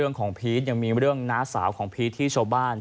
แต่ว่าเนี้ยก็ยังไม่ได้ไม่ได้ของไม่ได้เงินโชฟ์ใช้กลับขึ้นมา